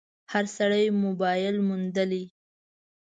هر سړي موبایل موندلی